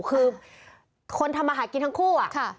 คือคนทำมาหากินทั้งคู่อะ